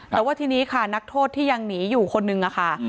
แต่ว่าทีนี้ค่ะนักโทษที่ยังหนีอยู่คนนึงค่ะ